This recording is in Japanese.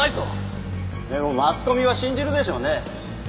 でもマスコミは信じるでしょうね。